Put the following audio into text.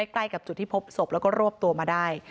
ใกล้กับจุดที่พบศพแล้วก็รวบตัวมาได้